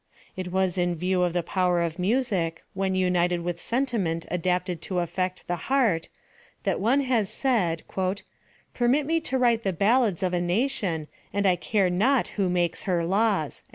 It was in view of the power of music, when united with sentiment adapted to affect the heart, that one has said, " Permit me to write the ballads of a nation, and I care not who makes her laws."